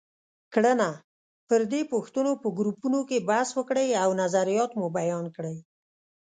کړنه: پر دې پوښتنو په ګروپونو کې بحث وکړئ او نظریات مو بیان کړئ.